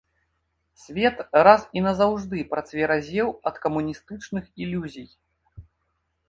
Свет раз і назаўжды працверазеў ад камуністычных ілюзій.